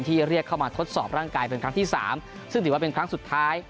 เรียกเข้ามาทดสอบร่างกายเป็นครั้งที่๓ซึ่งถือว่าเป็นครั้งสุดท้าย